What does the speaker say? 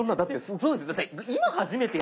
そうですよ。